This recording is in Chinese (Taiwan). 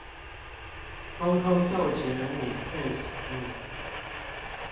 溝通授權免費使用